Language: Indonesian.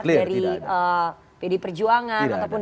dari pd perjuangan